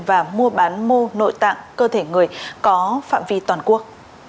và mua bán mô nội tạng cơ thể người có phạm vi toàn quốc